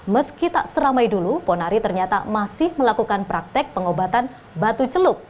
meski tak seramai dulu ponari ternyata masih melakukan praktek pengobatan batu celup